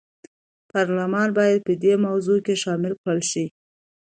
پارلمان باید په دې موضوع کې شامل کړل شي.